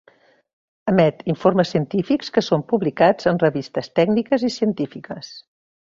Emet informes científics que són publicats en revistes tècniques i científiques.